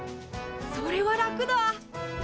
それは楽だ！